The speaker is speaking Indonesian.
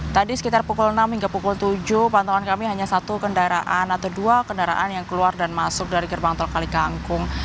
tadi sekitar pukul enam hingga pukul tujuh pantauan kami hanya satu kendaraan atau dua kendaraan yang keluar dan masuk dari gerbang tol kalikangkung